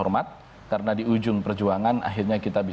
dua minggu lalu